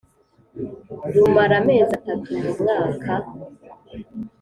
rumara amezi atatu mu mwaka